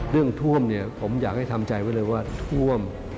เรื่องท่วมผมอยากให้ทำใจไว้เลยว่าท่วม